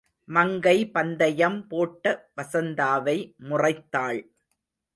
மங்கை பந்தயம் போட்ட வசந்தாவை முறைத்தாள்.